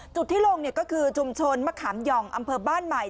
ที่ลงก็คือชุมชนมะขามหย่องอำเภอบ้านใหม่